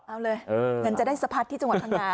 เอาเลยเงินจะได้สะพัดที่จังหวัดพังงา